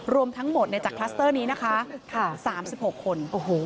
รวมทั้งหมดจากคลัสเตอร์นี้นะคะ๓๖คนโอ้โห